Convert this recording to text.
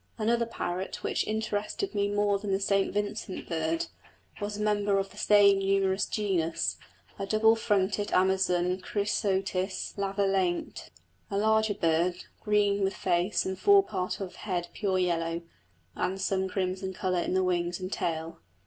Another parrot, which interested me more than the St Vincent bird, was a member of the same numerous genus, a double fronted amazon, Chrysotis lavalainte, a larger bird, green with face and fore part of head pure yellow, and some crimson colour in the wings and tail.